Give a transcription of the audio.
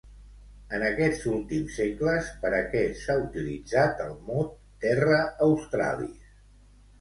En aquests últims segles, per a què s'ha utilitzat el mot Terra Australis?